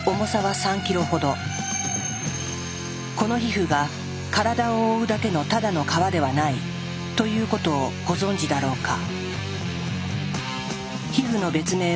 この皮膚が「体を覆うだけのただの皮ではない」ということをご存じだろうか。